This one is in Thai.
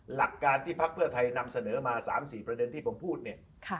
หลักการที่พักเพื่อไทยนำเสนอมา๓๔ประเด็นที่ผมพูดเนี่ย